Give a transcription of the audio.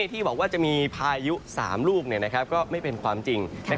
ที่บอกว่าจะมีพายุ๓ลูกก็ไม่เป็นความจริง